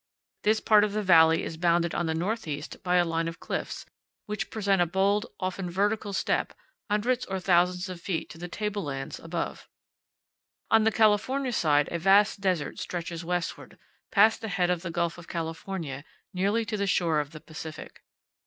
This part of the valley is bounded on the northeast by a line of cliffs, which present a bold, often vertical step, hundreds or thousands of feet to the table lands above. On the California side a vast desert stretches westward, past the head of the Gulf of California, nearly to the shore of the Pacific.